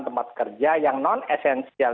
tempat kerja yang non esensial